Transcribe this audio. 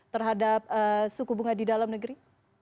terhadap suku bunga di dalam negeri